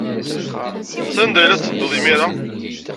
Sanda ay la tetteddud imir-a?